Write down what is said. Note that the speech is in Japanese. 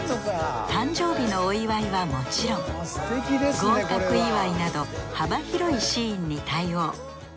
誕生日のお祝いはもちろん合格祝いなど幅広いシーンに対応。